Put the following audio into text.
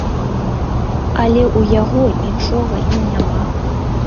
Але ў яго нічога і няма!